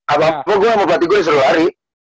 apa apa gue sama pati gue disuruh lari